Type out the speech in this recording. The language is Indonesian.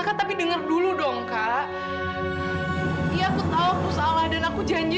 sampai jumpa di video selanjutnya